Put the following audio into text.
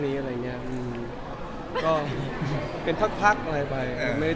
ก็อยากเป็นมหาเศรษฐีที่ดี